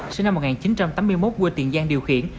sinh năm một nghìn chín trăm tám mươi một quê tiền giang điều khiển